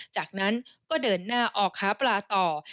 จากนั้นก็เดินหน้าออกหาปลาต่อ